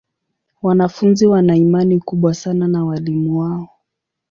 Wanafunzi wana imani kubwa sana na walimu wao.